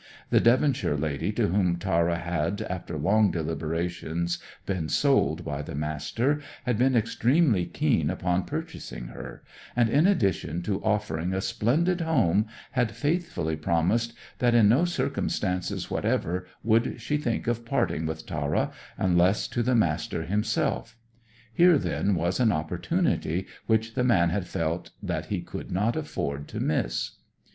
The Devonshire lady to whom Tara had, after long deliberations, been sold by the Master, had been extremely keen upon purchasing her, and, in addition to offering a splendid home, had faithfully promised that in no circumstances whatever would she think of parting with Tara unless to the Master himself. Here then was an opportunity which the man had felt that he could not afford to miss.